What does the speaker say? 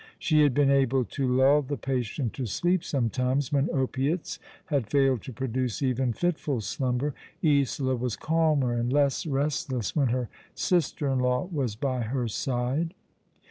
She had been able to lull the patient to sleep sometimes, when opiates had failed to produce even fitful slumber. Isola was calmer and less restless when her sister in law was by her side.